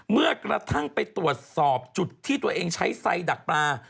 เมื่อกระทั่งไปตรวจสอบจุดที่ตัวเองใช้ไซดักปลา